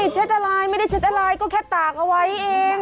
เช็ดอะไรไม่ได้เช็ดอะไรก็แค่ตากเอาไว้เอง